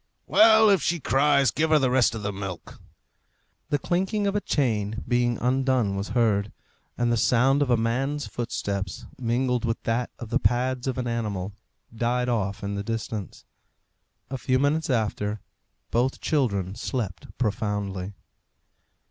"Well, if she cries, give her the rest of the milk." The clinking of a chain being undone was heard, and the sound of a man's footsteps, mingled with that of the pads of an animal, died off in the distance. A few minutes after, both children slept profoundly.